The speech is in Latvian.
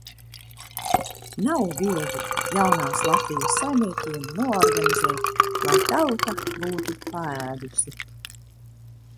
Nav viegli jaunās Latvijas saimniekiem noorganizēt, lai tauta būtu paēdusi.